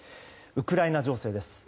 ウクライナ情勢です。